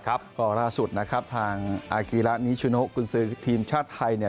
ก็ล่าสุดนะครับทางอากีระนิชโนกุญศือทีมชาติไทยเนี่ย